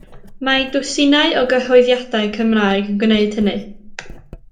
Mae dwsinau o gyhoeddiadau Cymraeg yn gwneud hynny.